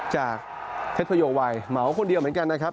จากเพชรพโยวัยเหมาคนเดียวเหมือนกันนะครับ